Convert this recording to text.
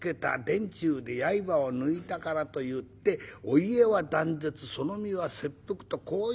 殿中で刃を抜いたからといってお家は断絶その身は切腹とこういう事になった。